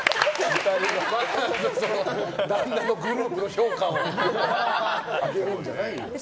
旦那のグループの評価を上げるんじゃないよ。